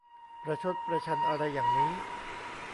ประชดประชันอะไรอย่างนี้ !